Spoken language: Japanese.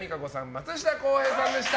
松下洸平さんでした。